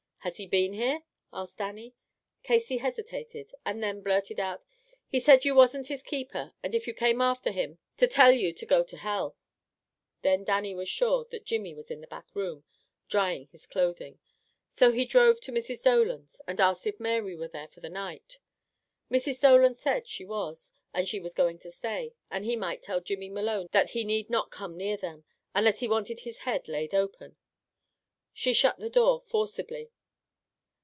"Has he been here?" asked Dannie. Casey hesitated, and then blurted out, "He said you wasn't his keeper, and if you came after him, to tell you to go to Hell." Then Dannie was sure that Jimmy was in the back room, drying his clothing. So he drove to Mrs. Dolan's, and asked if Mary were there for the night. Mrs. Dolan said she was, and she was going to stay, and he might tell Jimmy Malone that he need not come near them, unless he wanted his head laid open. She shut the door forcibly.